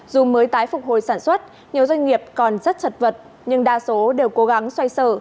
dù mới tái phục hồi sản xuất nhiều doanh nghiệp còn rất chật vật nhưng đa số đều cố gắng xoay sở